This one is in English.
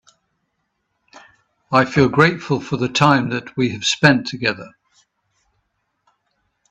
I feel grateful for the time that we have spend together.